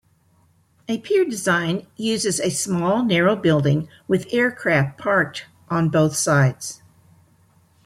A pier design uses a small, narrow building with aircraft parked on both sides.